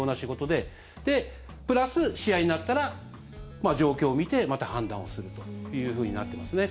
で、プラス、試合になったら状況を見てまた判断をするというふうになってますね。